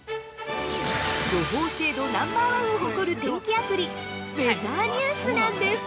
予報精度ナンバー１を誇る天気アプリ「ウェザーニュース」なんです。